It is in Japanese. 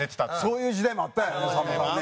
そういう時代もあったんやねさんまさんね。